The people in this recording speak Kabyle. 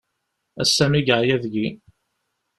Ass-a mi yeɛya deg-i.